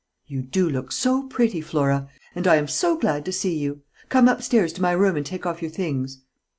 "You do look so pretty, Flora! And I am so glad to see you. Come up stairs to my room and take off your things."